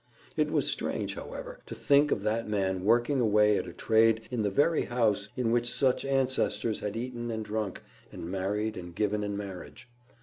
It was strange, however, to think of that man working away at a trade in the very house in which such ancestors had eaten and drunk, and married and given in marriage.